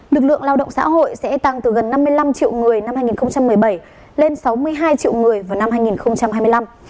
lực lượng lao động xã hội sẽ tăng từ gần năm mươi năm triệu người năm hai nghìn một mươi bảy lên sáu mươi hai triệu người vào năm hai nghìn hai mươi năm